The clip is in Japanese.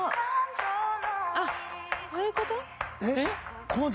あっそういう事？